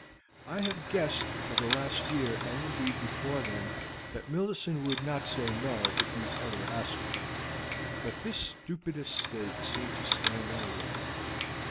I have guessed for the last year, and, indeed, before then, that Millicent would not say 'No' if you ever asked her; but this stupid estate seemed to stand in the way.